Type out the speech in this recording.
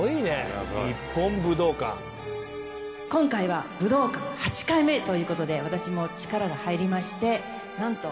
今回は武道館８回目という事で私も力が入りましてなんと。